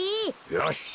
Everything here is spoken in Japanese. よし。